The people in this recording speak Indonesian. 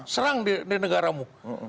serang di negaramu